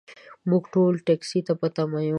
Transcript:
موږ ټول ټکسي ته په تمه یو .